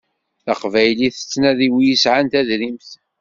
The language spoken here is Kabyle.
Taqbaylit tettnadi wid yesɛan tadrimt.